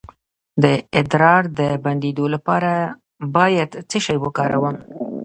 د ادرار د بندیدو لپاره باید څه شی وکاروم؟